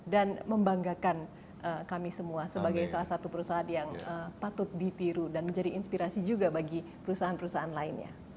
dan membanggakan kami semua sebagai salah satu perusahaan yang patut dipiru dan menjadi inspirasi juga bagi perusahaan perusahaan lainnya